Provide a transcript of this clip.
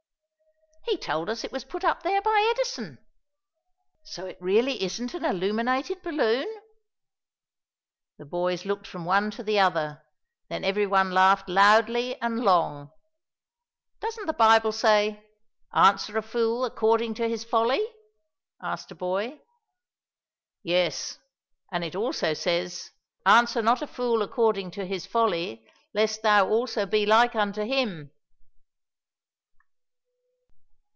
"He told us it was put up there by Edison." "So it really isn't an illuminated balloon?" The boys looked from one to the other, then every one laughed loudly and long. "Doesn't the Bible say, 'Answer a fool according to his folly?'" asked a boy. "Yes, and it also says, 'Answer not a fool according to his folly, lest thou also be like unto him.'"